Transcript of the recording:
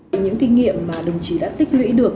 với những kinh nghiệm mà đồng chí đã tích lũy được